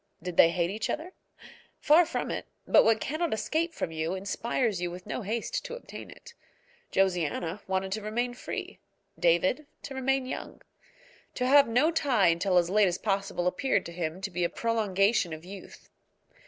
Did they hate each other? Far from it; but what cannot escape from you inspires you with no haste to obtain it. Josiana wanted to remain free, David to remain young. To have no tie until as late as possible appeared to him to be a prolongation of youth.